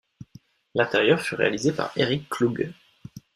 L'intérieur fut réalisé par Eric Clough.